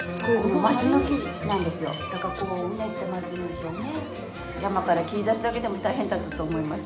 だからうねった松の木をね山から切り出すだけでも大変だったと思います。